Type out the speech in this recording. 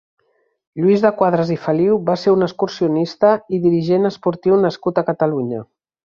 Lluís de Quadras i Feliu va ser un excursionista i dirigent esportiu nascut a Catalunya.